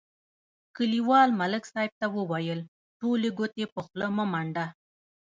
کلیوال ملک صاحب ته ویل: ټولې ګوتې په خوله مه منډه.